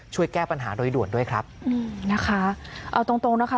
ช่วยแก้ปัญหาโดยด่วนด้วยครับนี่นะคะเอาตรงตรงนะคะ